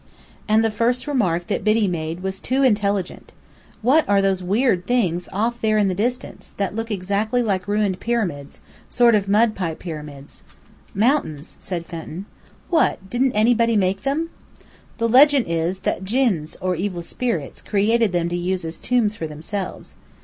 And the first remark that Biddy made was too intelligent. "What are those weird things off there in the distance, that look exactly like ruined pyramids sort of mudpie pyramids?" "Mountains," said Fenton. "What, didn't anybody make them?" "The legend is, that Djinns, or evil spirits, created them to use as tombs for themselves."